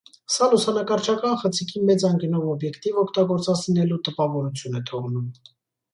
Սա լուսանկարչական խցիկի մեծ անկյունով օբյեկտիվ օգտագործած լինելու տպավորություն է թողնում։